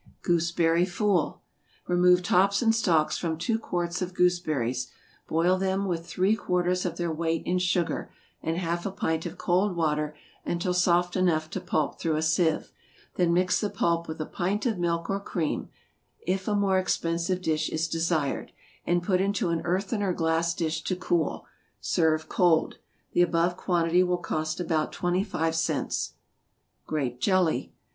=Gooseberry Fool.= Remove tops and stalks from two quarts of gooseberries, boil them with three quarters of their weight in sugar, and half a pint of cold water, until soft enough to pulp through a sieve; then mix the pulp with a pint of milk, or cream, if a more expensive dish is desired, and put into an earthen or glass dish to cool; serve cold. The above quantity will cost about twenty five cents. =Grape Jelly.